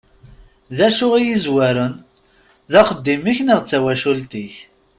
D acu i yezwaren, d axeddim-ik neɣ d tawacult-ik?